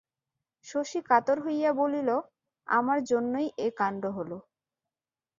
শশী কাতর হইয়া বলিল, আমার জন্যই এ কান্ড হল।